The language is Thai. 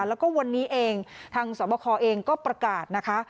แล้วก็วันนี้เองทางสวบคเองก็ประกาศนะคะ